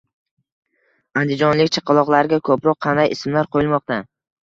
Andijonlik chaqaloqlarga ko‘proq qanday ismlar qo‘yilmoqda?